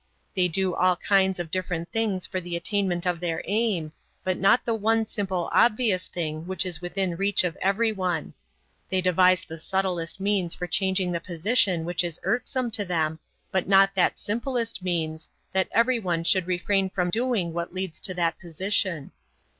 They do all kinds of different things for the attainment of their aim, but not the one simple obvious thing which is within reach of everyone. They devise the subtlest means for changing the position which is irksome to them, but not that simplest means, that everyone should refrain from doing what leads to that position.